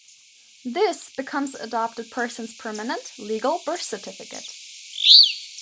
This becomes the adopted person's permanent, legal "birth" certificate.